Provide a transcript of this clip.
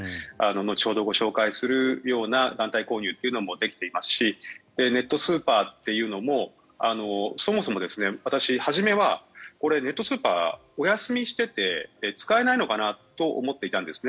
後ほど紹介するような団体購入はできていますしネットスーパーというのもそもそも私、初めはネットスーパーお休みしていて使えないのかなと思っていたんです。